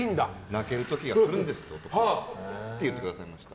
泣ける時が来るんですって言ってくださいました。